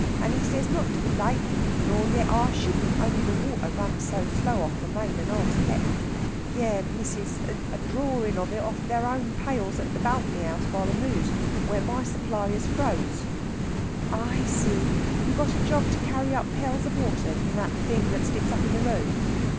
And he says not to be late. Nor yet I shouldn't, only the water run so slow off the main, and I was kep.... Yes, missis a drorin' of it off in their own pails at the balkny house by the mooze, where the supply is froze...." "I see, you got a job to carry up pails of water from that thing that sticks up in the road?"